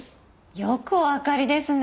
よくおわかりですね。